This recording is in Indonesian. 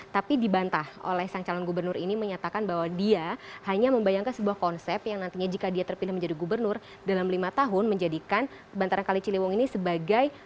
tapi dibantah oleh sang calon gubernur ini menyatakan bahwa dia hanya membayangkan sebuah konsep yang nantinya jika dia terpilih menjadi gubernur dalam lima tahun menjadikan bantaran kali ciliwung ini sebagai